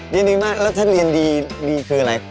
เรียนดีมากแล้วถ้าเรียนดีคืออะไร